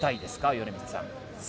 米満さん。